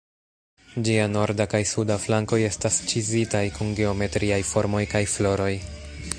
Ĝia norda kaj suda flankoj estas ĉizitaj kun geometriaj formoj kaj floroj.